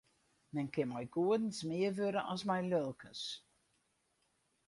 Men kin mei goedens mear wurde as mei lulkens.